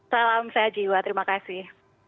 salam sehat jiwa terima kasih